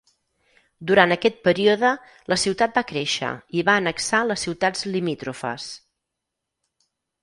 Durant aquest període, la ciutat va créixer i va annexar les ciutats limítrofes.